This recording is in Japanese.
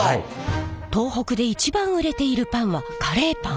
東北で一番売れているパンはカレーパン？